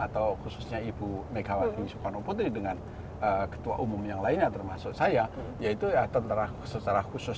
atau khususnya ibu megawati soekarno putri dengan ketua umum yang lainnya termasuk saya yaitu tentara secara khusus